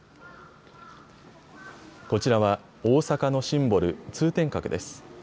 こちらは大阪のシンボル、通天閣です。